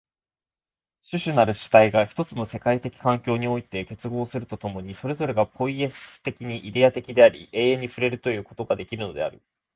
種々なる主体が一つの世界的環境において結合すると共に、それぞれがポイエシス的にイデヤ的であり、永遠に触れるということができるのである。